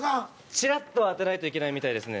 チラッとは当てないといけないみたいですね。